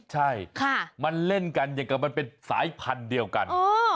ใช่มันเล่นกันอย่างกับมันเป็นสายพันธุ์เดียวกัน